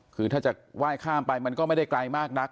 คือถ้าจะไหว้ข้ามไปมันก็ไม่ได้ไกลมากนัก